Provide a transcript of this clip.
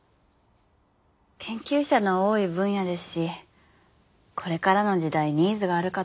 研究者の多い分野ですしこれからの時代ニーズがあるかというと。